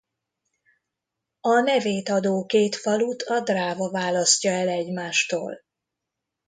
A nevét adó két falut a Dráva választja el egymástól.